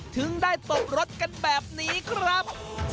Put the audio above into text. ถึงได้ตบรถกันแบบนี้ครับ